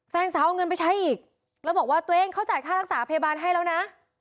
แฟนสาวเอาเงินไปใช้อีกแล้วบอกว่าตัวเองเขาจ่ายค่ารักษาพยาบาลให้แล้วนะ